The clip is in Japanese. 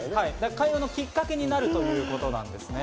会話のきっかけになるということですね。